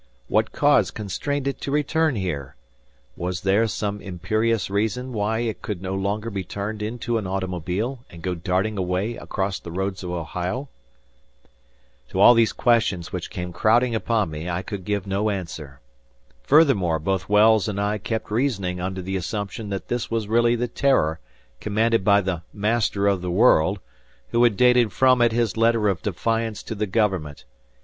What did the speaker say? What cause constrained it to return here? Was there some imperious reason why it could no longer be turned into an automobile, and go darting away across the roads of Ohio? To all these questions which came crowding upon me, I could give no answer. Furthermore both Wells and I kept reasoning under the assumption that this was really the "Terror" commanded by the "Master of the World" who had dated from it his letter of defiance to the government.